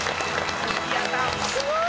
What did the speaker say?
すごい。